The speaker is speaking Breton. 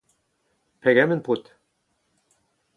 Pegement, paotr ?